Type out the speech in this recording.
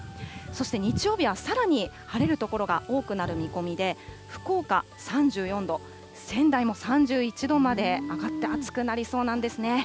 そして日曜日は、さらに晴れる所が多くなる見込みで、福岡３４度、仙台も３１度まで上がって暑くなりそうなんですね。